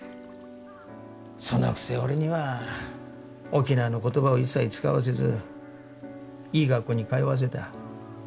そのくせ俺には沖縄の言葉を一切使わせずいい学校に通わせた。